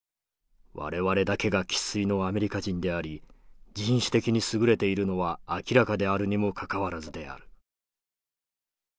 我々だけが生っ粋のアメリカ人であり人種的にすぐれているのは明らかであるにもかかわらずである」。